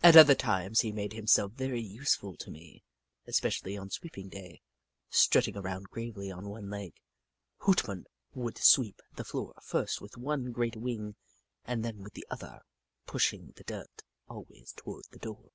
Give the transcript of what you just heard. At other times, he made himself very useful to me, especially on sweeping day. Strutting around gravely on one leg, Hoot Mon would sweep the floor first with one great wing and then with the other, pushing the dirt always toward the door.